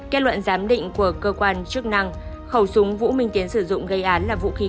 kết luận giám định của cơ quan chức năng khẩu súng vũ minh tiến sử dụng gây án là vũ khí